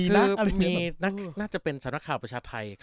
คือมีน่าจะเป็นสนุกข่าวประชาไทย